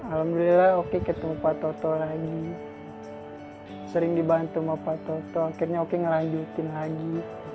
alhamdulillah oki ketemu pak toto lagi sering dibantu sama pak toto akhirnya oki ngelanjutin lagi